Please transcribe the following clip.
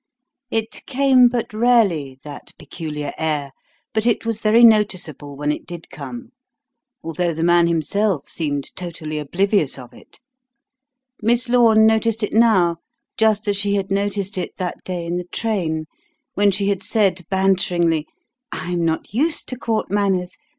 It came but rarely, that peculiar air, but it was very noticeable when it did come, although the man himself seemed totally oblivious of it. Miss Lorne noticed it now, just as she had noticed it that day in the train when she had said banteringly: "I am not used to Court manners.